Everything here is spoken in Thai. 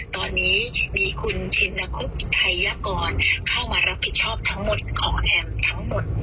ตอนนี้มีคุณชินคุบไทยกรเข้ามารับผิดชอบทั้งหมดของแอมทั้งหมด